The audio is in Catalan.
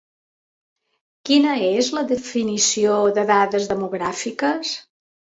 Quina és la definició de dades demogràfiques?